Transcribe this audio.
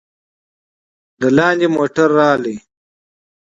د ګوز موتر روغلى.